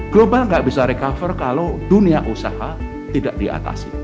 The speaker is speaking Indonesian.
global nggak bisa recover kalau dunia usaha tidak diatasi